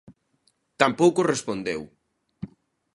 Tampouco respondeu.